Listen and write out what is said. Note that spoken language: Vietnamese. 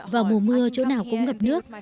vào mùa mưa chỗ nào cũng ngập nước